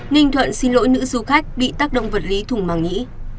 ninh thuận xin lỗi nữ du khách bị tác động vật lý thùng màng nhĩ